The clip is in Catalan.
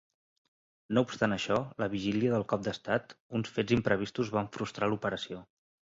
No obstant això, la vigília del cop d'estat, uns fets imprevistos van frustrar l'operació.